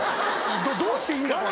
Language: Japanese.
どうしていいんだか。